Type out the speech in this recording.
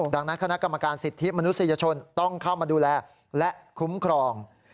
ดังนั้นคณะกรรมการสิทธิมนุษยชนต้องเข้ามาดูแลและคุ้มครอง